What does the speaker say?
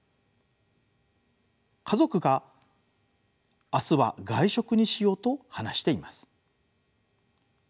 家族が明日は外食にしようと話しています。